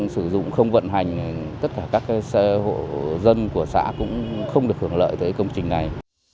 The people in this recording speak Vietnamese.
sử dụng không vận hành tất cả các hộ dân của xã cũng không được hưởng lợi tới công trình này